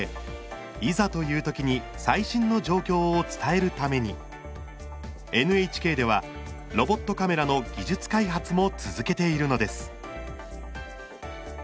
いざというときに最新の状況を伝えるためにＮＨＫではロボットカメラの技術開発も続けているのです。